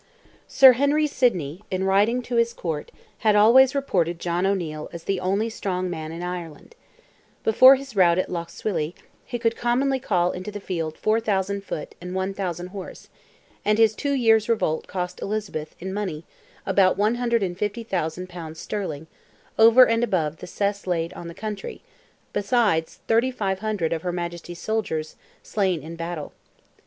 Sir Henry Sidney, in writing to his court, had always reported John O'Neil as "the only strong man in Ireland." Before his rout at Lough Swilly, he could commonly call into the field 4,000 foot and 1,000 horse; and his two years' revolt cost Elizabeth, in money, about 150,000 pounds sterling "over and above the cess laid on the country"—besides "3,500 of her Majesty's soldiers" slain in battle.